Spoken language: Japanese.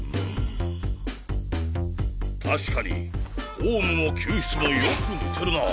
確かにフォームも球質もよく似てるな。